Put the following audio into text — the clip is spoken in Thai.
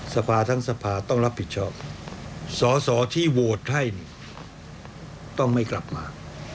สภาทั้งสภาต้องรับผิดชอบสอสอที่โหวตให้ต้องไม่กลับมา